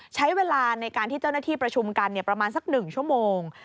ใช้เวลาในการที่เจ้าหน้าที่ประชุมกันประมาณสัก๑ชั่วโมง